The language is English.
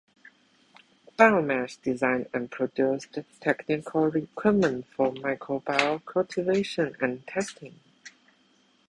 Biomash designed and produced technical equipment for microbial cultivation and testing.